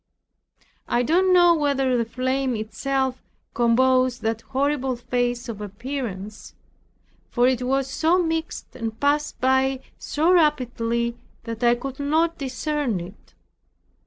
I don't know whether the flame itself composed that horrible face or appearance; for it was so mixed and passed by so rapidly, that I could not discern it.